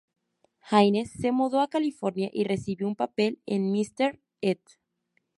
Hines se mudó a California y recibió un papel en "Mister Ed".